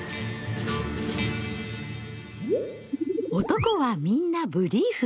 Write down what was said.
男はみんなブリーフ。